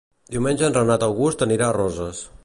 Diumenge en Renat August anirà a Roses.